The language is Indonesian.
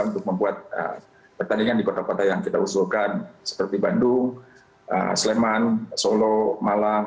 untuk membuat pertandingan di kota kota yang kita usulkan seperti bandung sleman solo malang